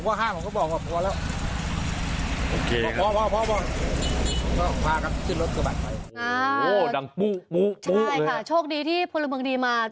โชคดีที่พลเมืองดีมา